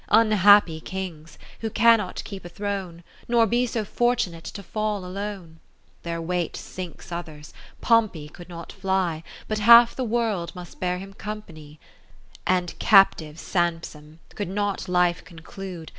Unhappy Kings, who cannot keep a throne, 21 Nor be so fortunate to fall alone ! Their weight sinks others : Pompey could not fly. But half the World must bear him company; And captiv'd Samson could not life conclude.